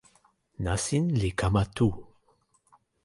nasin li kama tu.